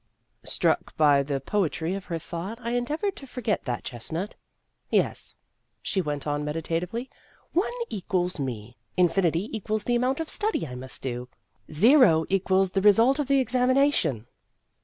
Struck by the poetry of her thought, I endeavored to forget that chestnut. "Yes," she went on meditatively, " one equals me ; infinity equals the amount of study I must do ; zero equals the result of the examination."